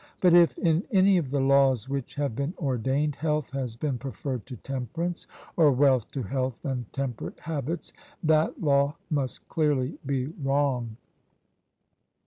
But if, in any of the laws which have been ordained, health has been preferred to temperance, or wealth to health and temperate habits, that law must clearly be wrong.